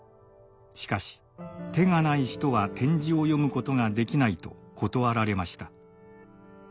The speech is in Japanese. しかし「手がない人は点字を読むことができない」と断られました。